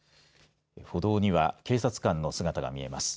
歩道には警察官の姿が見えます。